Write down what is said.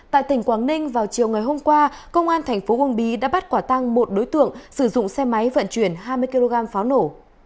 tại tỉnh quảng ninh vào chiều ngày hôm qua công an thành phố uông bí đã bắt quả tăng một đối tượng sử dụng xe máy vận chuyển hai mươi kg pháo nổ